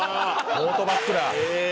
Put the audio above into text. トートバッグか！